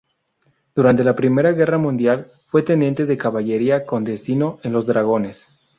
Durante la Primera Guerra Mundial fue teniente de caballería con destino en los dragones.